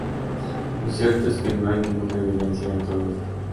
Lo cierto es que no hay ninguna evidencia de todo esto.